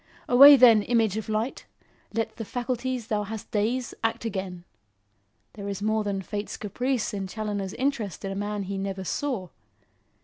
Away, then, image of light! Let the faculties thou hast dazed, act again. There is more than Fate's caprice in Challoner's interest in a man he never saw.